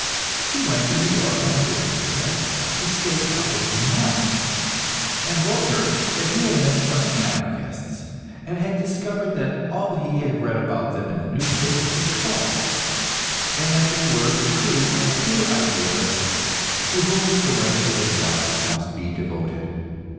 He went to New York on a business trip, and stayed a couple of months, and wrote her that he had met some Anarchists, and had discovered that all he had read about them in the newspapers was false, and that they were the true and pure idealists to whom the rest of his life must be devoted.